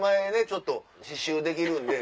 ちょっと刺繍できるんで。